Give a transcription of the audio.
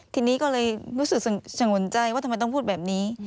ทีนี้ก็เลยรู้สึกสงวนใจว่าทำไมต้องพูดแบบนี้